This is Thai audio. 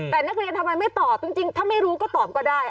แต่นักเรียนทำไมไม่ตอบจริงถ้าไม่รู้ก็ตอบก็ได้